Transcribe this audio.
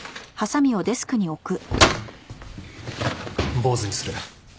坊主にする。